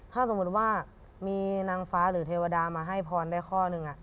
ถ้าสมมุติว่ามีนางฟ้าหรือเทวดามาให้พรได้ข้อหนึ่ง